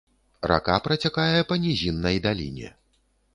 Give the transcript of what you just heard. Рака працякае па нізіннай даліне.